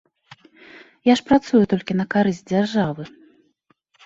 Я ж працую толькі на карысць дзяржавы.